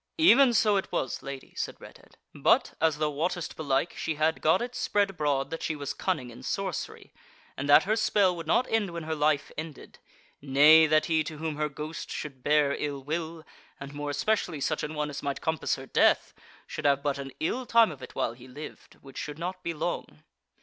"Even so it was, lady," said Redhead; "but, as thou wottest belike, she had got it spread abroad that she was cunning in sorcery, and that her spell would not end when her life ended; nay, that he to whom her ghost should bear ill will, and more especially such an one as might compass her death, should have but an ill time of it while he lived, which should not be long.